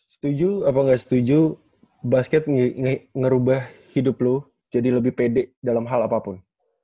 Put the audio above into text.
setuju atau gak setuju basket ngerubah hidup lu jadi lebih pede dalam hal apapun